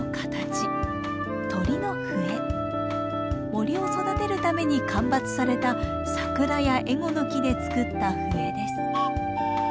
森を育てるために間伐されたサクラやエゴノキで作った笛です。